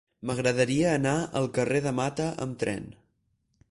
M'agradaria anar al carrer de Mata amb tren.